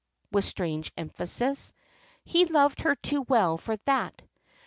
with strange emphasis "he loved her too well for that.